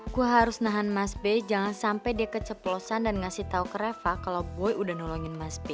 gua harus nahan mas be jangan sampai dia keceplosan dan ngasih tau ke reva kalo boy udah nolongin mas be